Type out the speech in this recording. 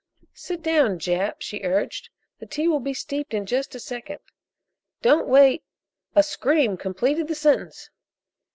"Sit down, Jap," she urged. "The tea will be steeped in just a second. Don't wait " A scream completed the sentence.